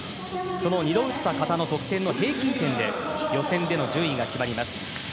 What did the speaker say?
その２度打った形の得点の平均点で予選での順位が決まります。